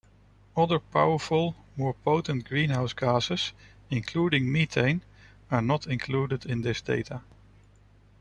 Other powerful, more potent greenhouse gases, including methane, are not included in this data.